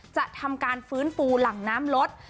จะทำการฟื้นฟูหลังน้ำลด